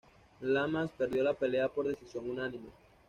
Lamas perdió la pelea por decisión unánime.